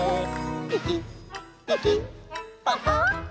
「ピキピキパカ！」